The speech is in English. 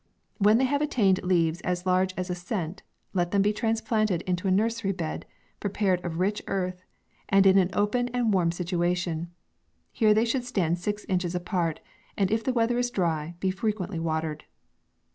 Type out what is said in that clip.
When they have attained leaves as large as a cent, let them be transplanted into a nursery bed, prepared of rich earth, and in an open and warm situ ation ; here they should stand six inches apart, and if the weather is dry, be frequently wa tered.